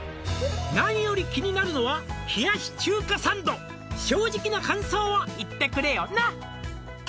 「何より気になるのは冷やし中華サンド」「正直な感想を言ってくれよな」